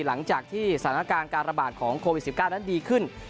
หลังจากที่สถานการณ์การระบาดของโควิด๑๙นั้นดีขึ้น